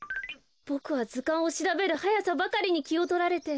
ボクはずかんをしらべるはやさばかりにきをとられて。